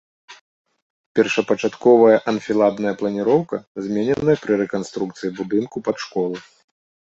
Першапачатковая анфіладная планіроўка змененая пры рэканструкцыі будынку пад школу.